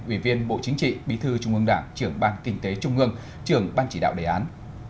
ủy viên bộ chính trị bí thư trung ương đảng trưởng ban kinh tế trung ương trưởng ban chỉ đạo đề án